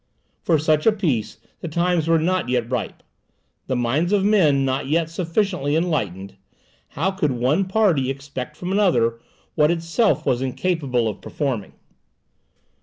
For such a peace the times were not yet ripe the minds of men not yet sufficiently enlightened. How could one party expect from another what itself was incapable of performing?